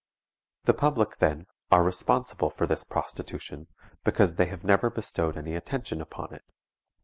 The public, then, are responsible for this prostitution, because they have never bestowed any attention upon it.